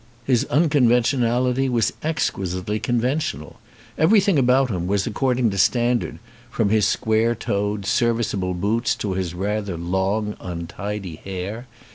His unconventionality was exquisitely convene tional. Everything about him was according to standard, from his square toed, serviceable boots to his rather long, untidy hair.